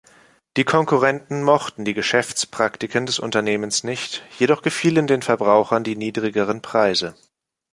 Die Konkurrenten mochten die Geschäftspraktiken des Unternehmens nicht, jedoch gefielen den Verbrauchern die niedrigeren Preise.